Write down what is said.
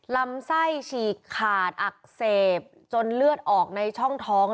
ลำไส้ฉีกขาดอักเสบจนเลือดออกในช่องท้อง